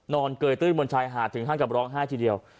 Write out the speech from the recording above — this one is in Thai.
เกยตื้นบนชายหาดถึงขั้นกับร้องไห้ทีเดียว